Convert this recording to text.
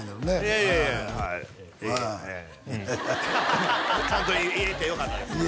いやいやいやはいええうんちゃんと言えてよかったです